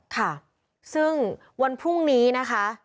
ค่ะซึ่งวันพรุ่งนี้นะคะ